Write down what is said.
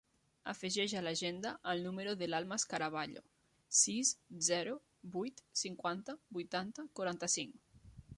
Afegeix a l'agenda el número de l'Almas Caraballo: sis, zero, vuit, cinquanta, vuitanta, quaranta-cinc.